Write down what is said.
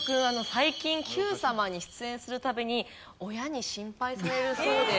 最近『Ｑさま！！』に出演する度に親に心配されるそうです。